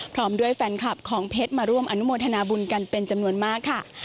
พร้อมด้วยแฟนคลับของเพชรมาร่วมอนุโมทนาบุญกันเป็นจำนวนมากค่ะ